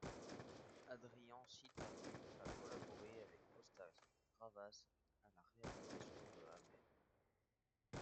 Adrian Sitaru a collaboré avec Costa-Gavras à la réalisation de Amen.